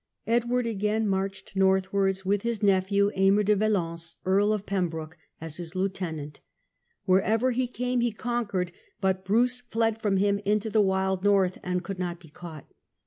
The last Edward again marched northwards, with his campaigns, nephew Aymer de Valence, Earl of Pembroke, as his lieutenant. Wherever he came he conquered, but Bruce fled from him into the wild north and could not be caught.